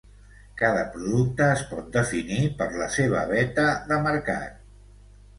Cada producte es pot definir per la seva veta de mercat.